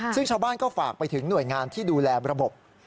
ซึ่งชาวบ้านก็ฝากไปถึงหน่วยงานที่ดูแลระบบ